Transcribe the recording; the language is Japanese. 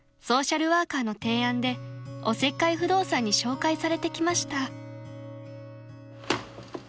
ソーシャルワーカーの提案でおせっかい不動産に紹介されてきました］